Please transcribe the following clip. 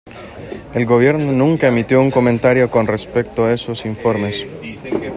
El gobierno nunca emitió un comentario con respecto esos informes.